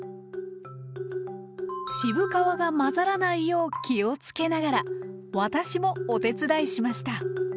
渋皮が混ざらないよう気をつけながら私もお手伝いしました。